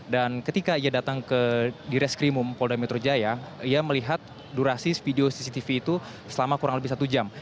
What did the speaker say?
dan ketika ia datang ke di reskrimum polda mitrujaya ia melihat durasi video cctv itu selama kurang lebih satu jam